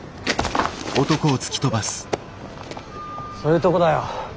そういうとこだよ。